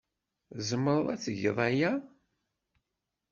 Tzemreḍ ad tgeḍ aya?